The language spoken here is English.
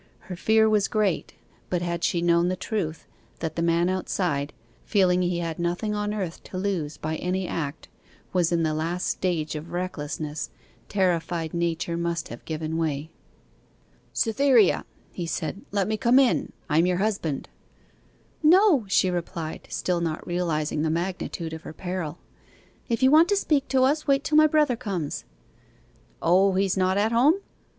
Her fear was great; but had she known the truth that the man outside, feeling he had nothing on earth to lose by any act, was in the last stage of recklessness, terrified nature must have given way. 'Cytherea,' he said, 'let me come in: I am your husband.' 'No,' she replied, still not realizing the magnitude of her peril. 'If you want to speak to us, wait till my brother comes.' 'O, he's not at home?